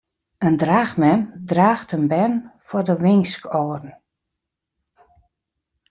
In draachmem draacht in bern foar de winskâlden.